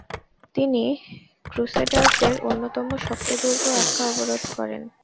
তিনি ক্রুসেডারদের অন্যতম শক্ত দুর্গ আক্কা অবরোধ করেন।